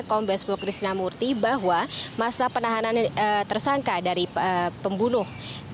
kombes polkris namurti bahwa masalah penahanan tersangka dari pembunuh